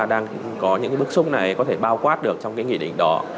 đang có những bước xúc này có thể bao quát được trong nghị định đó